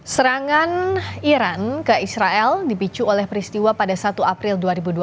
serangan iran ke israel dipicu oleh peristiwa pada satu april dua ribu dua puluh